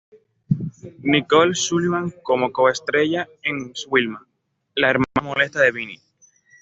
Nicole Sullivan como co-estrella es Wilma, la hermana molesta de Vinnie.